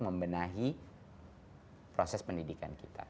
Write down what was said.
membenahi proses pendidikan kita